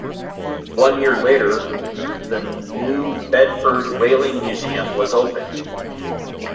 One year later, the New Bedford Whaling Museum was opened.